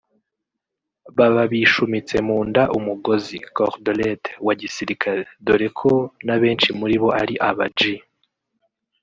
Baba bishumitse munda umugozi (cordollette) wa gisirikare (dore ko n’abenshi muri bo ari aba G